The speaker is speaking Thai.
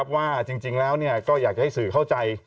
ว่าจริงแล้วก็อยากจะให้สื่อเข้าใจ